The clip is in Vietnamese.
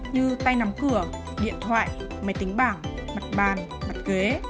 như tay nắm cửa điện thoại máy tính bảng mặt bàn mặt kế